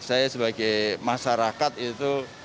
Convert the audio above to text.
saya sebagai masyarakat itu